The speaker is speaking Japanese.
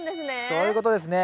そういうことですね。